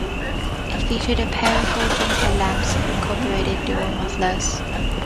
It featured a pair of bulging headlamps and incorporated dual mufflers.